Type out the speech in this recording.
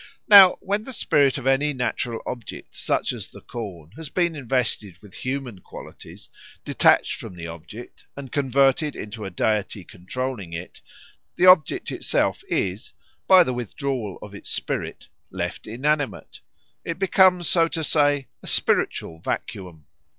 Now when the spirit of any natural object such as the corn has been invested with human qualities, detached from the object, and converted into a deity controlling it, the object itself is, by the withdrawal of its spirit, left inanimate; it becomes, so to say, a spiritual vacuum.